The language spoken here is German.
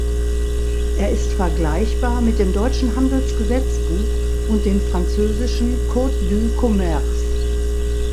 Er ist vergleichbar mit dem deutschen Handelsgesetzbuch und dem französischen Code du Commerce.